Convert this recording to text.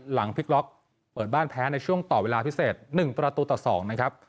หลังพลิกล็อกเปิดบ้านแพ้ในช่วงต่อเวลาพิเศษ๑ประตูต่อ๒นะครับ